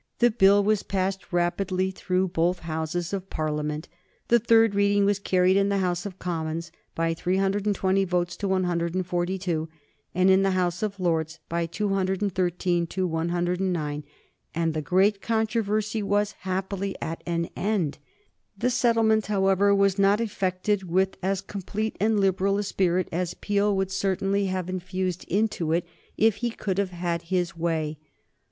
The Bill was passed rapidly through both Houses of Parliament. The third reading was carried in the House of Commons by 320 votes to 142, and in the House of Lords by 213 to 109, and the great controversy was happily at an end. The settlement, however, was not effected with as complete and liberal a spirit as Peel would certainly have infused into it if he could have had his way.